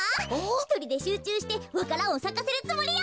ひとりでしゅうちゅうしてわか蘭をさかせるつもりよ！